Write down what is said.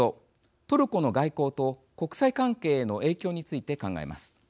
トルコの外交と国際関係への影響について考えます。